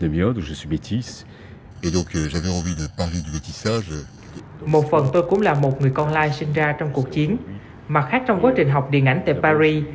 một phần tôi cũng là một người con lai sinh ra trong cuộc chiến mặt khác trong quá trình học điện ảnh tại paris